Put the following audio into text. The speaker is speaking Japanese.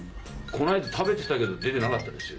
この間食べてたけど出てなかったですよ。